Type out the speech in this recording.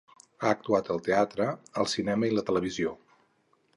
Ha actuat al teatre, el cinema i la televisió.